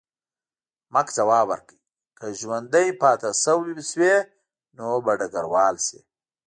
مک ځواب ورکړ، که ژوندی پاتې شوې نو به ډګروال شې.